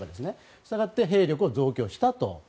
したがって兵力を増強したと。